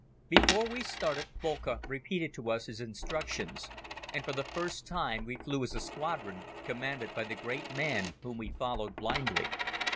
Before we started Boelcke repeated to us his instructions and for the first time we flew as a squadron commanded by the great man whom we followed blindly.